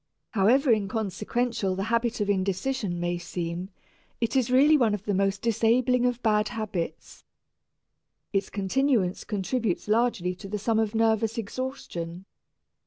However inconsequential the habit of indecision may seem, it is really one of the most disabling of bad habits. Its continuance contributes largely to the sum of nervous exhaustion.